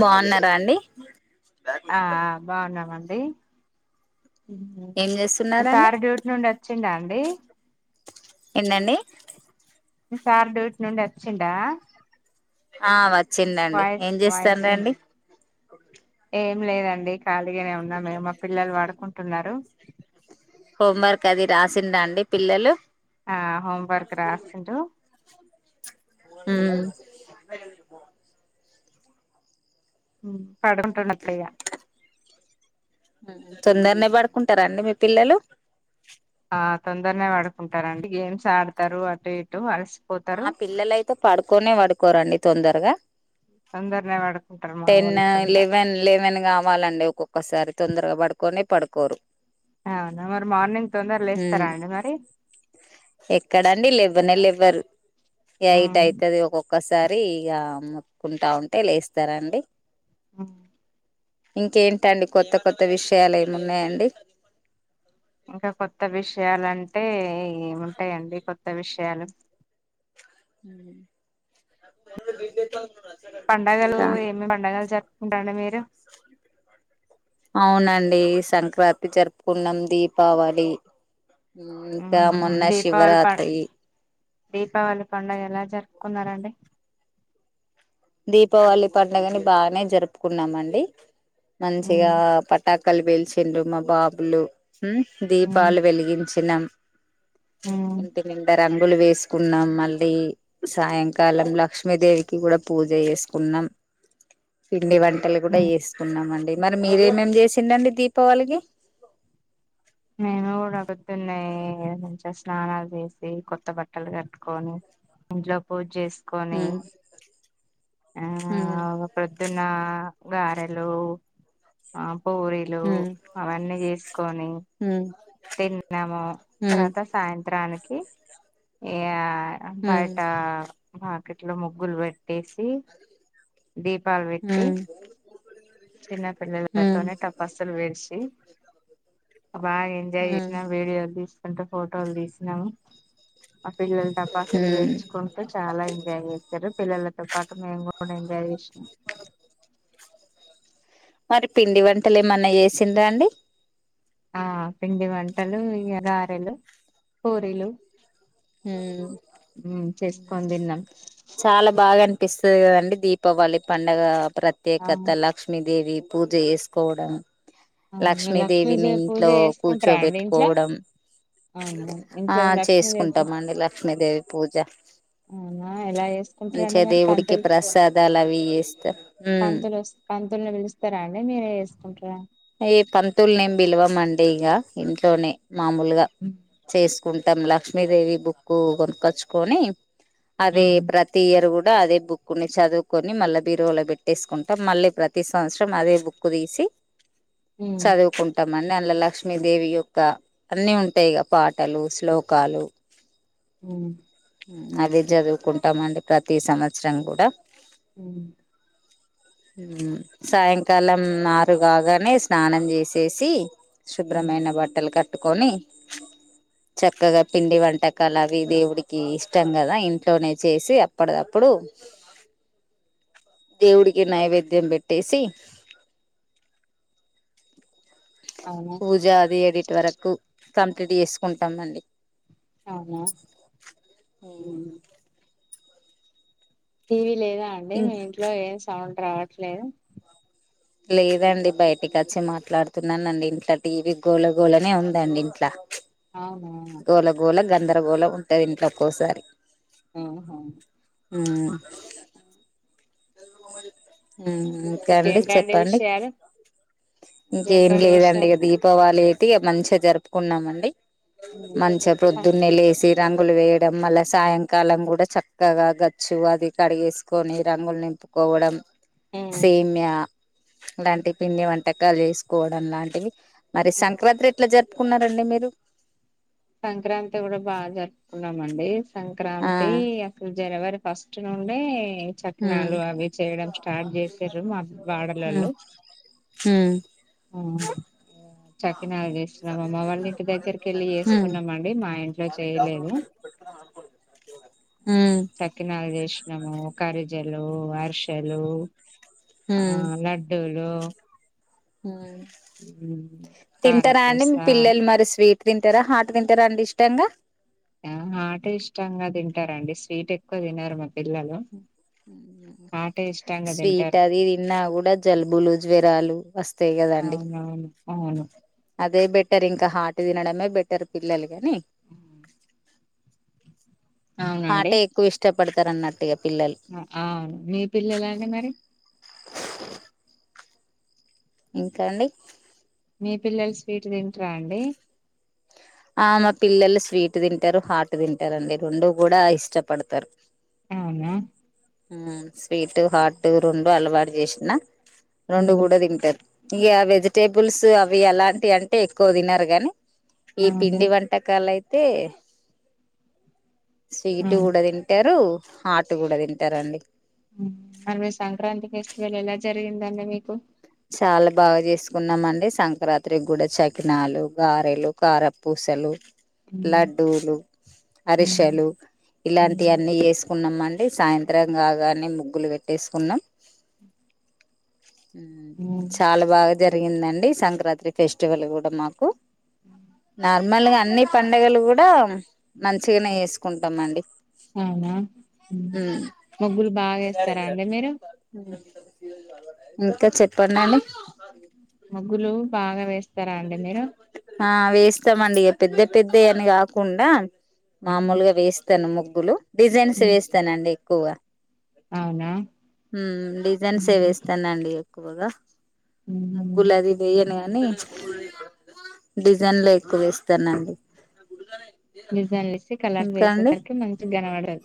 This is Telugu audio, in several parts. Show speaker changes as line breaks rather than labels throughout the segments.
బావున్నారా అండి
ఆ ఆ బావున్నామండి ఉహుమ్
ఏం చేస్తున్నారండి
సార్ డ్యూట్నుండి వచ్చిండా అండి
ఏందండి
మీ సార్ డ్యూట్నుండి వచిండా
ఆ వచ్చిందండి ఏం
విన్
జెస్తున్నారండి
ఏం లేదండి ఖాళీగానే ఉన్నామ్ మేము మా పిల్లల్ పడుకుంటున్నారు
హోం వర్క్ అది రాసిండ్ర అండి పిల్లలు
ఆ హోమ్ వర్క్ రాసిరు
హ్మ్మ్
పడంటనత్తయ
తొందరనే పడుకుంటారా అండి మీ పిల్లలు
ఆ తొందరనే పడుకుంటారండి గేమ్స్ ఆడతారు అటు ఇటు అలసి
ఆ పిల్లలయితే పడుకోనే పడుకోరండి తొందరగా
తొందరనే పడుకుంటారు మా
టెన్
వాళ్ళు తొందర
లెవెన్ లెవెన్ కావాలండి ఒక్కొక్కసారి తొందరగా పడుకొనే పడుకోరు
అవునా మరి మార్నింగ్ తొందరగ
ఉమ్
లేస్తారా అండి మరి
ఎక్కడండి లేవనే లే్వరు ఎయిట్
ఉమ్
అయితుది ఒక్కొక్కసారి ఇక మతుకుంటా ఉంటే లేస్తారండి
ఆ
ఇంకేంటండి కొత్త కొత్త విషయాలు ఏమి ఉన్నాయండి
ఇంకా కొత్త విషయాలుంటే ఏముంటాయండి కొత్త విషయాలు
హ్మ్
పడుగలు ఏమేమి పండగలు జరుపుకుంటాండి మీరు
అవునండి సంక్రాంతి జరుపుకున్నాం దీపావళి హ్మ్ ఇంకా
మ్మ్
మొన్న
దీపావళి ప
శివరాత్రి
దీపావళి పండుగ ఎలా జరుపుకున్నారండి
దీపావళి పండుగని బాగానే జరుపుకున్నామ అండి
మ్మ్
మంచిగా పటాక్ క్కల్ పెల్చిండ్రు మా బాబులు
మ్మ్
దీపాలు వెలిగించినం
మ్మ్
ఇంటి ముందరం ముగ్గులు వేసుకున్నాం మళ్ళీ సాయంకాలం లక్ష్మీదేవికి కూడా పూజ చేసుకున్నాం పిండి వంటలు కూడా
మ్మ్
వేసుకున్నాం అండి మరి మీరేమేమ్ చేసిండండి దీపావళికి
మేం కూడా పొద్దునే మంచిగా స్నానాలు చేసి కొత్త బట్టలు కట్టుకొని ఇంట్లో పూజ చేస్జ్
హ్మ్
ఆ ప్రొద్దున్న గారెలు ఆ పూరీలు అవన్నీ చేసుకొని తిన్నాము తర్వాత సాయంత్రానికి ఇ ఆ అమ్ బయట వాకిట్లో ముగ్గులు పెట్టేసి దీపాలు పెట్టి చిన్న పిల్లలతోనే తపస్సులు వేయించి బాగా ఎంజాయ్ చేసిన వీడియోలు తీసి అంత ఫోటోలు తీసినాము ఆ పిల్లలు టపాస్లు పేల్చుకుంటూ చాలా ఎంజాయ్ చేసారు పిల్లలతో పాటు మేము కూ డ ఎంజాయ్ చేషినం
మరి పిండి వంటలు ఏమన్నా చేసిండ్రా అండి
ఆ పిండి వంటలు ఇగ గారెలు పూరీలు
హుమ్
ఉమ్ చేసుకొని తిన్నాం
చాలా బాగన్ పిస్తది కదండి దీపావళి పండగ
ఆ
ప్రత్యేకత లక్ష్మీదేవి పూజ చేసుకోవడం
మీ
లక్ష్మీదేవిని
లక్ష్మీదేవి పూజ
ఇంట్లో
చేసుకుంటారా అండి ఇంట్లో
కూర్చోబెట్టుకోవడం
అవును
ఆ
ఇంట్లో లక్ష్మీదేవి పూజ
చేసుకుంటాం అండి లక్ష్మీదేవి పూజ
అవునా ఎలా చేసుకుంటారండి
మంచిగా
మరి
దేవుడికి
పంతులు
ప్రసాదాలు అవి చేస్తా ఉమ్
తుల్ ని పిలుస్తారా అండి మీరే చేసుకుంట్రా
ఈ పంతుల్నేమి బిలవమండి ఇగ ఇంట్లోనే మామూలుగా
ఉమ్
చేసు కుంటాం లక్ష్మీదేవి బుక్ కొనుక్కొచ్చుకోని అది ప్రతి ఇయర్ కూ డా అదే బుక్ ని చదువుకొని మళ్ళ బీరువాలో పెట్టేసుకుంటాం మళ్ళీ ప్రతి సంవత్సరం అదే బుక్కు తీసి
ఉమ్
చదువుకుంటాం మన ఇళ్లల లక్ష్మీదేవి యొక్క అన్నీ ఉంటాయి ఇగ పాటలు శ్లోకాలు
ఉమ్
అదే చదువుకుంటామండి ప్రతి సంవత్సరం కూడా.
ఉమ్
సాయంకాలం ఆరు కాగానే స్నానం చేసేసి. శుభ్రమైన బట్టలు కట్టుకొని చక్కగా పిండి వంటకాలు అవి దేవుడికి ఇష్టం కదా ఇంట్లోనే చేసి అప్పడప్ ప్పుడు దేవుడి కి నైవేద్యం బెట్టేసి
అవునా
పూజ అది ఏడిటి వరకు కంప్లీట్ చేసుకుంటాం అండి
అవునా హ్మ్ టీవీ లేదా అండి
ఇం
మీ ఇంట్లో ఏం సౌండ్ రావట్లేదు.
లేదండి బయటకొచ్చి మాట్లాడుతున్నానండి ఇంట్ల టీవీ గోల గోల నే ఉందండి ఇంట్లా.
అవును
గోలగోల గందరగోళం ఉంటది ఇంట్లో ఒక్కోసారి.
ఊహు
మ్ మ్ ఇంక అండి
ఇంకేంటండి
చెప్పండి
విషయాలు
ఇంకేం
ఇంకేంటండి
లేదండి
విషయాలు
దీపావళి తిగా మంచిగ జరుపుకున్నామండి
ఉమ్
మంచిగా ప్రొద్దున్నే లేసి. రంగులు వేయడం మళ్ళ సాయంకాలం కూడా చక్కగా గచ్చు అది కడిగేసుకొని. రంగుల్ నింపుకోవడం సేమ్యా ఇలాంటి పిండి వంటకాలు చేసుకోవడం లాంటివి మరి
ఉమ్
సంక్రాంత్రి ఎట్ల జరుప్ పుకున్నారండి మీరు
సంక్రాంతి కూడ బాగాజరుపుకున్నామండి
ఆ
సంక్రాంతి అస్సలు జనవరి ఫస్ట్. స్ట్ నుండీ
హ్మ్
చక్కినాలు అవి చేయడం స్టార్ట్ చేసీరు మా
హ్మ్
వాడలోలు
హ్మ్
అ చక్కినాలు చేసినాం మా అమ్మ వాళ్ళ ఇంటి దగ్గరికి వెళ్ళి
హ్మ్
చేసుకున్నామండి మా ఇంట్లో చేయలేదు.
ఆ పో
చక్కినాల్ చె చేషినాము కరిజలు అర్షెలూ ఆ లడ్డూలు
ఉమ్ తింటరా అండి
కారపూస
మీ పిల్లలు మరి స్వీట్ తింటరా హాట్ తింటరా అండి ఇష్టంగా
ఆ హాటే ఇష్టంగా తింటారంండి స్వీట్ ఎక్కువ తినరు మా పిల్లలు. హాటే ఇష్టంగా
స్వీట్
తింటారు
అది తిన్నా కూడ జలుబులు జ్వరాలు వస్తాయ్ కదా.
అవునవును అవును
అదే బెటర్ ఇంక హాట్ తినడమే బెటర్ పిల్లల కనీ హాటే ఎక్కువ ఇష్టపడతారు అన్నట్టిగా.
అ మీ పిల్లలండి మరి
ఇంక అండి
మీ పిల్లలు స్వీట్ తింట్రా అండి
ఆ మా పిల్లలు స్వీట్ తింటారు హాట్ తింటారండి రెండు కూడ ఇష్టపడతారు.
అవున
ఉమ్ స్పీటు హాటు రెండు అలవాటు చేశిన రెండు
ఉమ్,
కూడ తింటారు. ఇగ వెజిటేబుల్స్ అవి ఎలాంటి అంటే ఎక్కువ తినరు గాని. ఈ
అవును
పిండి వంటకాలయితే స్వీటు
అవును
కూడ తింటారు హాటు కూడ తింటారండి.
మరి మీ సంక్రాంతి ఫెస్టివల్ ఎలా జరిగిందండి మీకు.
చాల బాగ. చేసుకున్నామండి సంక్రాంత్రికి కూడ చక్కినాలు గారెలు కారపూస్. సల్లు లడ్డూలు అరిశలు ఇలాంటి అన్నిీ చేసుకున్నాం మని హే సాయంత్రం కాగానే ముగ్గులు పెట్టేసుకున్నాం చాల బాగ జరిగిందండి సంక్రాంతి ఫెస్టివల్ కూడ మాకు నాలు మిమ్మల్గా అన్ని పండుగలు కూడ మంచి గనే చేసుకుంటామండి
అవున
ఉమ్,
ముగ్గులు బాగేస్తారాండి మీరు
ఇంకా చెప్పండండి
ముగ్గులు బాగ వేస్తారాండి మీరు
ఆ వేస్తామండి అట పెద్ద పెద్దయని కాకుండా మామూల్గా వేస్తాను ముగ్గులు డిజైన్స్ వేస్తానండి ఎక్కువగా
అవున
ఉమ్ డిజైన్స్సె వేస్తానండి ఎక్కువగా ముగ్గులది వేయన్ గాని డిజన్లు ఎక్కువ వేస్తానండి
డిజైన్లు ఇస్తే కలర్
ఇంకా అండి
వేసేసరికి మంచిగా కనపడుతది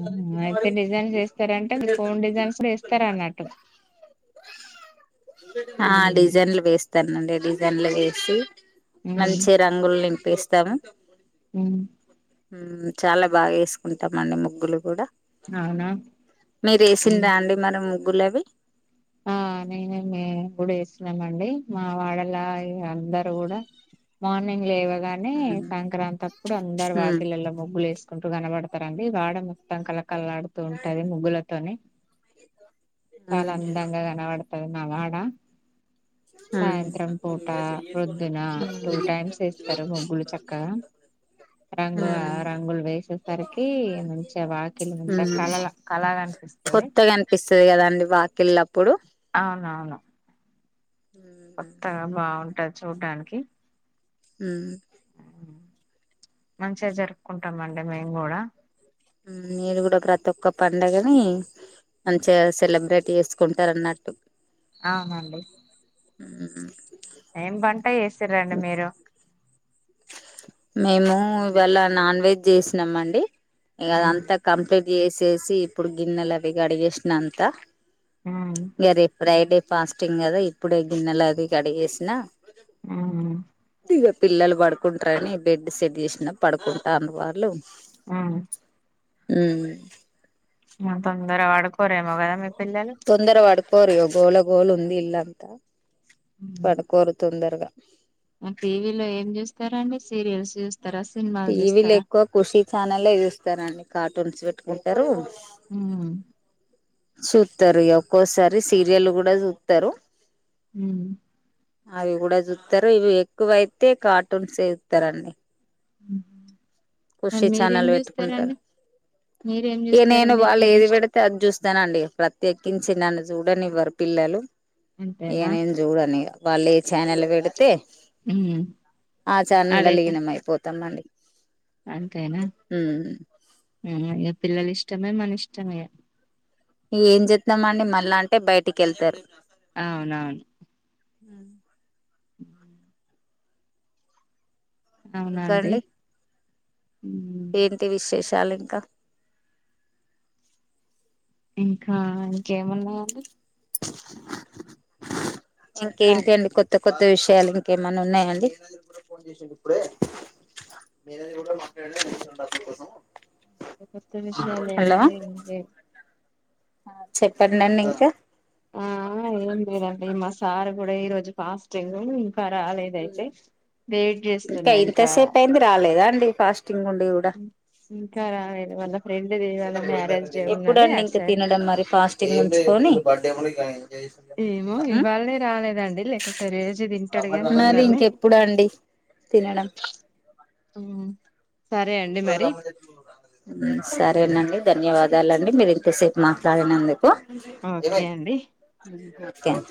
ఉహు అయితే డిజైన్స్ చేస్తారా అంటే మీ కోన్ డిజైన్స్ కుడ వేస్తారా అన్నట్టు
ఆ
ఉమ్,
డిజైన్లు వేస్తానండి డిజైన్లు వేసి మంచి రంగులు నింపిస్తాం
ఉ
హు చాలా బాగా వేసుకుంటామండి ముగ్గులు కూడా
అవునా
మీరు వేసిండా అండి మరి ముగ్గులు అవి
ఆ నేను ఏమి గుడే వేసినామండి మా వాడలా ఇక అందరు
ఉమ్
కూడా మార్నింగ్ లేవా గానీ
ఉమ్
సంక్రాంతి అప్పుడు అందరు
ఉమ్
వాకిళ్లలో ముగ్గులేస్ కుంటూ కనబడతారండి వాడ మొత్తం కళకళలాడుతూ ఉంటది ముగ్గులతోని
ఆ
చాలా అందంగా కనపడతది మా వాడ సాయంత్రం పూట ప్రొద్దున టూ టైమ్స్ వేస్తారు ముగ్గులు చక్కగా రంగు ఆ రంగులు వేసేసరికి మంచిగా వాకిళ్లు మంచిగా కలల కలన్
కొత్తగా అనిపిస్తది కదండి వాకిళ్లప్పుడు
అవునవును కొత్తగా బాగుంటది చూడ్డానికి
ఉ
మంచిగా జరుపుకుంటామండి మేము కూడా
ఊ నేను కూడా ప్రతి ఒక్క పండగని మంచిగా సెలబ్రేట్ చేసుకుంటారు అన్నట్టు
అవును అండి
ఊ ఉ
ఏం వంట చేసిర్రు రండి మీరు
మేము ఇవాళ నాన్ వెజ్ చేసినాం అండి ఇగ
ఉమ్
అదంతా కంప్లీట్ చేసేసి ఇప్పుడు గిన్నెలు అవి కడిగేసిన అంత
ఉమ్
ఇగ రేపు ఫ్రైడే ఫాస్టింగ్ కదా ఇప్పుడే గిన్నెలు అది కడిగేసినా
ఉమ్
ఇగ పిల్లలు పడు కుంటరని బెడ్ సెట్ చేసినా పడుకుంటాండ్రు వాళ్లు
ఉ
హుహు
ఇంగా తొందర పడుకోడెమో కదా మీ పిల్లలు
తొందర పడుకోరు ఇక గోల గోల ఉంది ఇల్లంతా పడుకోరు తొందరగా
టీవీలో ఏం చూస్తారండి సీరియల్స్ చుస్
టీవీలో ఎక్కువ ఖుషి ఛానల్ లే చూస్తారండి కార్టూన్స్ పెట్టుకుంటరు
ఊ
సుతారు ఇ ఒక్కోసారి సీరియల్ కూడా చూస్తారు
యూ
అవి కూడా చూస్తారు ఇవి ఎక్కువైతే కార్టూన్స్ ఏ ఇత్తరండి
ఉ
ఖుషి ఛానల్ పెట్టుకుంటారు
మీరేం
ఈ
చూస్తారు
నేను వాళ్ళు
మీకేమి
ఏది
ఇష్టం
పెడితే అది చూస్తానండి ప్రత్యేకించి నన్ చూడనివ్వరు పిల్లలు ఇగ
అంతేనా
నేను చూడను ఇగ వాళ్ళు ఐ ఛానల్ పెడితే
ఉమ్
ఆ చానల్లలో
అదైతే
లీనం అయిపోతామండి
అంతేనా
ఉమ్
ఉ ఇ పిల్లలు ఇష్టమే మన ఇష్టమే ఇక
ఈఏ ఏం చేద్దాం అండి మళ్ళా అంటే బయటికి వెళ్తారు
అవునవును
హ్మ్
హ్మ్
ఇంకా
అవునండి
అండి
ఉమ్
ఏంటి విశే షాలింకా
ఇంకా ఇంకేమున్నాయంండి
ఇంకేంటి
చెప్పాలి
అండి కొత్త కొ త్త విషయాలు ఇంకేమన్నా ఉన్నాయండి మీర కూడా కూడా మక్క కోసం
ఇగ కొత్త విషయాలేం ఎం లేవు
ఆ చెప్పండండి ఇంకా
ఆహ ఏం లేదండి మాసారు కూడా ఈరోజు ఫాస్టింగు ఇంకా రాలేదయితే వెయిట్ చేస్తున్నా ఇంకా
ఇంతసేపు అయింది రాలేదా అండి ఫాస్టింగ్ ఉండి కూడా
మ్మ్ ఇంకా రాలేదు వాళ్ల
ఎప్పుడంండి
అటు
ఇంకా
సైడ్
తినడం మరి ఫాస్టింగ్ ఉంచుకొని
ఏమో ఇవాళే రాలేదండి లేకుంటే రేజు తింటాడుగాని
మరి
తొందరనే
ఇంకెప్పుడు అండి తినడం
మ్మ్
హ్మ్ సరేనండి ధన్యవాదాలండి మీరు ఇంతసేపు మాట్లాడినందుకు
ఓకే అండి
కేన్